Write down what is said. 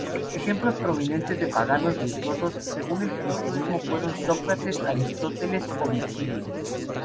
Ejemplos prominentes de paganos virtuosos según el cristianismo fueron Sócrates, Aristóteles o Virgilio.